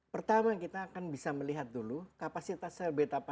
pertama kita akan bisa melihat dulu kapasitas sebetapan